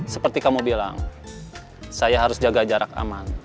seperti kamu bilang saya harus jaga jarak aman